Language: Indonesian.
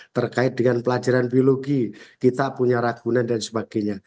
terkait dengan pelajaran biologi kita punya ragunan dan sebagainya